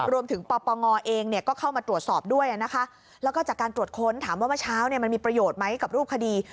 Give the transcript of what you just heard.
ปปงเองก็เข้ามาตรวจสอบด้วยนะคะแล้วก็จากการตรวจค้นถามว่าเมื่อเช้ามันมีประโยชน์ไหมกับรูปคดี